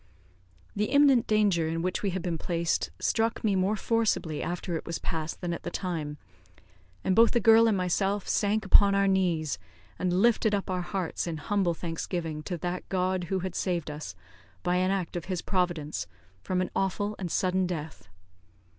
The imminent danger in which we had been placed struck me more forcibly after it was past than at the time, and both the girl and myself sank upon our knees, and lifted up our hearts in humble thanksgiving to that God who had saved us by an act of His Providence from an awful and sudden death.